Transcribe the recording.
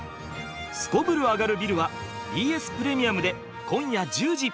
「すこぶるアガるビル」はＢＳプレミアムで今夜１０時。